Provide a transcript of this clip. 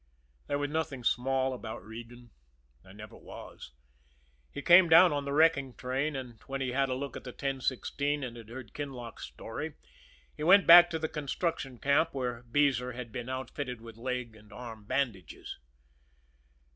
There was nothing small about Regan there never was. He came down on the wrecking train, and, when he had had a look at the 1016 and had heard Kinlock's story, he went back up to the construction camp, where Beezer had been outfitted with leg and arm bandages.